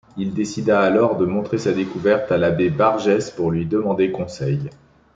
Il décida alors de montrer sa découverte à l'Abbé Bargès pour lui demander conseil.